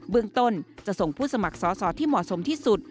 เรื่องต้นจะส่งผู้สมัครสอสอที่เหมาะสมที่สุด